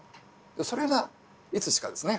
それがいつしかですね